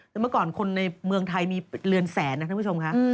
แล้วเมื่อก่อนคนในเมืองไทยมีเรือนแสนนะท่านผู้ชมค่ะ